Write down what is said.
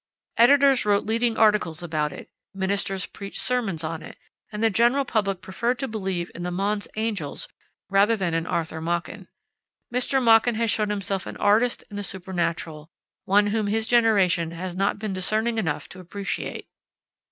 Editors wrote leading articles about it, ministers preached sermons on it, and the general public preferred to believe in the Mons angels rather than in Arthur Machen. Mr. Machen has shown himself an artist in the supernatural, one whom his generation has not been discerning enough to appreciate.